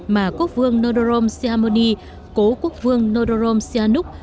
mà quốc vương nordrom siamoni cố quốc vương nordrom sianuk